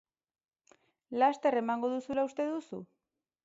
Laster emango duzula uste duzu?